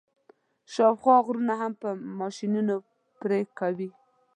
شاوخوا غرونه هم په ماشینونو پرې کوي.